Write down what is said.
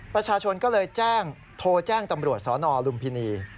ประชาชนก็เลยแจ้งโทรแจ้งตำรวจสนลุมพินี